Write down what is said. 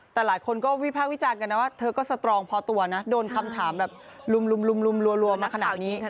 แต่หลายคนก็วิพากษ์วิจารณ์กันนะว่าเธอก็สตรองพอตัวนะโดนคำถามแบบลุมรัวมาขนาดนี้